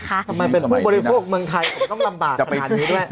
ทำไมเป็นผู้บริโภคเมืองไทยผมต้องลำบากขนาดนี้ด้วย